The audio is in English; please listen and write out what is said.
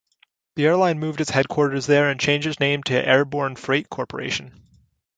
The airline moved its headquarters there and changed its name to Airborne Freight Corporation.